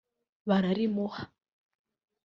bararimuha